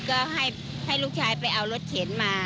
ก็ให้ลูกชายไปเอารถเข็นมา